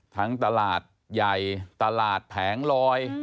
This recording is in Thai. ตลาดใหญ่ตลาดแผงลอย